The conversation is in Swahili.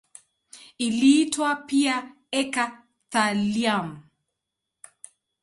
Iliitwa pia eka-thallium.